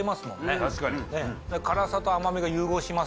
確かに辛さと甘みが融合します